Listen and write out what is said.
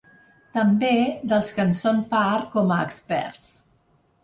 També dels que en són part com a experts.